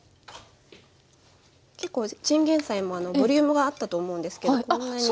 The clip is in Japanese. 結構チンゲンサイもボリュームがあったと思うんですけどこんなに。